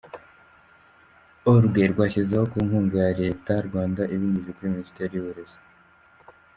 org rwashyizweho ku nkunga ya Leta y’u Rwanda ibinyujije muri Minisiteri y’Uburezi.